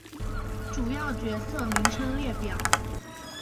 主要角色名称列表。